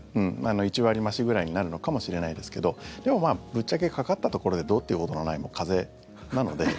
１割増しぐらいになるのかもしれないですけどでも、まあ、ぶっちゃけかかったところでどうっていうことのない風邪なので。